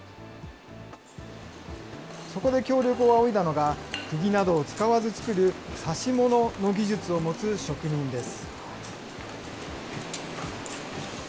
そこで協力を仰いだのが、くぎなどを使わず作る、指物の技術を持つ職人です。